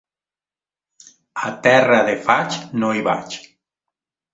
A terra de faig, no hi vaig.